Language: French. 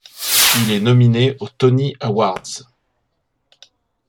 Il est nominé aux Tony Awards.